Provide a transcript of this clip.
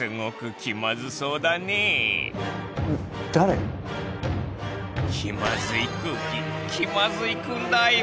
気まずい空気気まずいくんだよ。